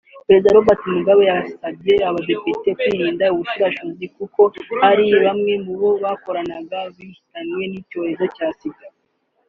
Perezida Robert Mugabe yasabye Abadepite kwirinda ubushurashuzi kuko hari bamwe mubo bakoranaga bahitanwe n’icyorezo cya Sida